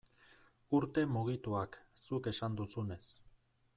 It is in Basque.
Urte mugituak, zuk esan duzunez.